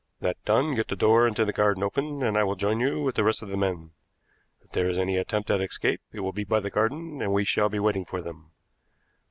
That done, get the door into the garden open, and I will join you with the rest of the men. If there is any attempt at escape it will be by the garden, and we shall be waiting for them.